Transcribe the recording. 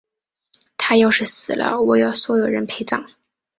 她要是死了，我要所有人陪葬！